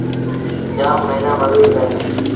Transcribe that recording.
جآم موهيݩآن مزوريٚ ڪيآندو۔